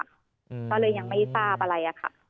ก็เลยยังไม่ทราบอะไรอะค่ะ